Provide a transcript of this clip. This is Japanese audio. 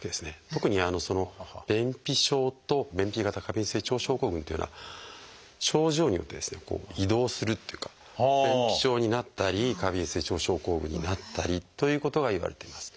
特に「便秘症」と「便秘型過敏性腸症候群」っていうのは症状によって移動するっていうか便秘症になったり過敏性腸症候群になったりということはいわれています。